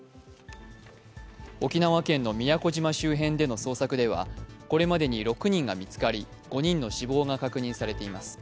沖縄県の宮古島周辺での捜索ではこれまでに６人が見つかり、５人の死亡が確認されています。